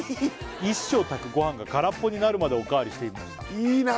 １升炊くごはんが空っぽになるまでお代わりしていましたいいな